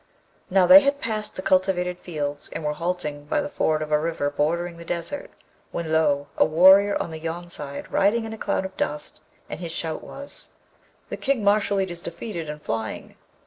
Now, they had passed the cultivated fields, and were halting by the ford of a river bordering the Desert, when lo! a warrior on the yonside, riding in a cloud of dust, and his shout was, 'The King Mashalleed is defeated, and flying.'